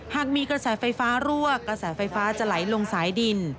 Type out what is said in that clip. หากมีกระแสไฟฟ้ารั่วกระแสไฟฟ้าจะไหลลงสายดิน